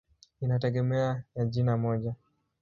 Inategemea ya jina moja.